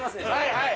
はい！